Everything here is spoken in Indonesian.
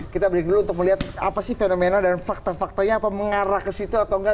kita break dulu untuk melihat apa sih fenomena dan fakta faktanya apa mengarah ke situ atau enggak